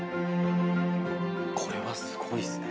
これはすごいっすね。